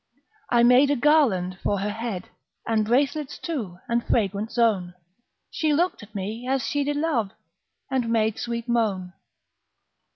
I made a garland for her head, And bracelets too, and fragrant zone; She looked at me as she did love, And made sweet moan.